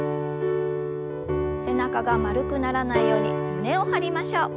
背中が丸くならないように胸を張りましょう。